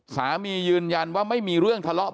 สามียืนยันว่าไม่มีเรื่องทะเลาะ